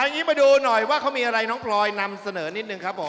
งี้มาดูหน่อยว่าเขามีอะไรน้องพลอยนำเสนอนิดนึงครับผม